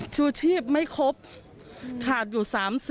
ชูชีพไม่ครบขาดอยู่๓๐